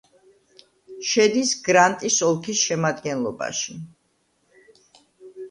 შედის გრანტის ოლქის შემადგენლობაში.